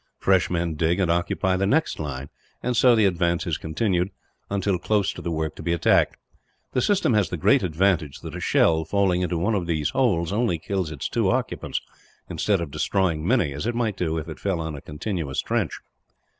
Fresh men dig and occupy the next line, and so the advance is continued, until close to the work to be attacked. The system has the great advantage that a shell falling into one of these holes only kills its two occupants; instead of destroying many, as it might do if it fell in a continuous trench.